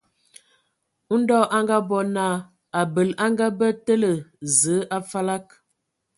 Ndɔ a ngabɔ naa, abəl a ngabə tǝ̀lə Zəə a falag.